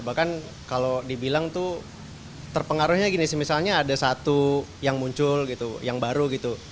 bahkan kalau dibilang tuh terpengaruhnya gini sih misalnya ada satu yang muncul gitu yang baru gitu